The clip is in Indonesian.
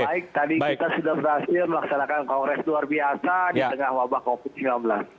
baik tadi kita sudah berhasil melaksanakan kongres luar biasa di tengah wabah covid sembilan belas